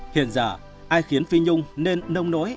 hiện giờ ai khiến phi nhung nên nông nỗi